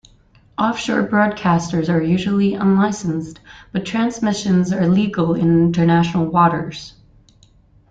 Offshore broadcasters are usually unlicenced but transmissions are legal in international waters.